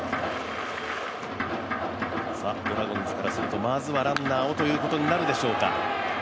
ドラゴンズからするとまずはランナーをということになるでしょうか。